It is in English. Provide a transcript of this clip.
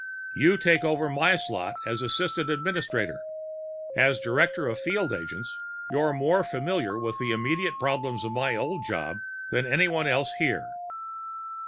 "You take over my slot as assistant administrator. As director of field agents, you're more familiar with the immediate problems of my old job than anyone else here."